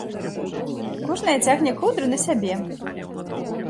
Кожная цягне коўдру на сябе!